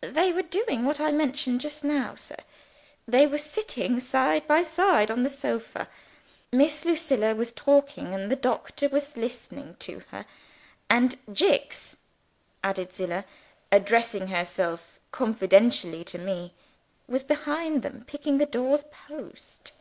"They were doing what I mentioned just now, sir they were sitting side by side on the sofa. Miss Lucilla was talking, and the doctor was listening to her. And Jicks," added Zillah, addressing herself confidentially to me, "was behind them, picking the doctor's pocket."